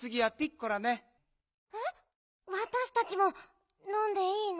わたしたちものんでいいの？